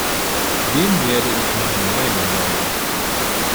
Dem werde ich meine Meinung geigen.